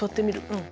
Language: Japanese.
うん。